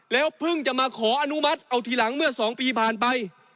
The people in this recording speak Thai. เพิ่งจะมาขออนุมัติเอาทีหลังเมื่อ๒ปีผ่านไป